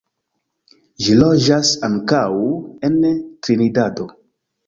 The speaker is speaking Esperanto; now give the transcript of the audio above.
Ĝi loĝas ankaŭ en Trinidado.